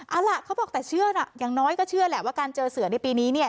เอาล่ะเขาบอกแต่เชื่อนะอย่างน้อยก็เชื่อแหละว่าการเจอเสือในปีนี้เนี่ย